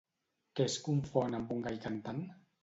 Què es confon amb un gall cantant?